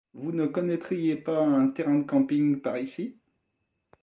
Vous ne connaitriez pas un terrain de camping par ici ?